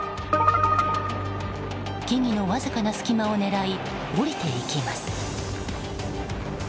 木々のわずかな隙間を狙い降りていきます。